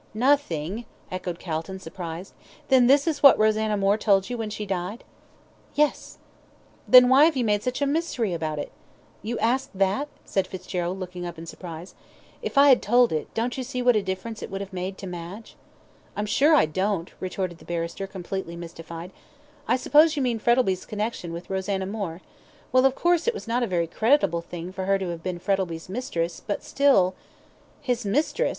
"Nothing," echoed Calton, surprised, "then this is what Rosanna Moore told you when she died?" "Yes!" "Then why have you made such a mystery about it?" "You ask that?" said Fitzgerald, looking up, in surprise. "If I had told it, don't you see what difference it would have made to Madge?" "I'm sure I don't," retorted the barrister, completely mystified. "I suppose you mean Frettlby's connection with Rosanna Moore; well, of course, it was not a very creditable thing for her to have been Frettlby's mistress, but still " "His mistress?"